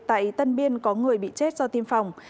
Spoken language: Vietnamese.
tại tân biên có người bị chết do tiêm phòng